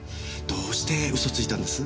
どうして嘘ついたんです？